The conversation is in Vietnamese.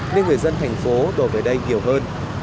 nên người dân thành phố đổ về đây hiểu hơn